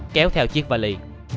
kéo theo chiếc vali